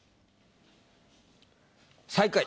最下位。